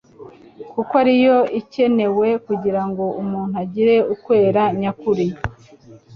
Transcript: kuko ari yo ikenewe kugira ngo umuntu agire ukwera nyakuri.